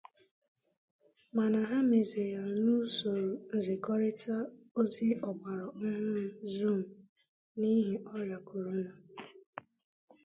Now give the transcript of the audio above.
mana ha mezịrị ya n'usoro nzikọrịta ozi ọgbara ọhụrụ 'Zoom' n'ihi ọrịa korona